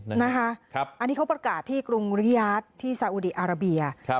อันนี้เขาประกาศที่กรุงริยาทที่สาอุดีอาราเบีย